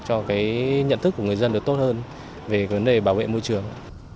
cho cái nhận thức của người dân được tốt hơn về vấn đề bảo vệ môi trường